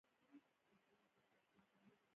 د دې شرکت مشر ریچارډ باسس نومېده.